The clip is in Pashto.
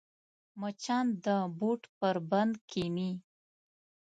مچان د بوټ پر بند کښېني